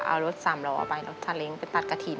เอารถสำรอไปแล้วจะเล้งเป็นตัดกะถิ่น